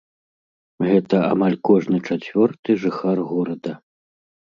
Гэта амаль кожны чацвёрты жыхар горада.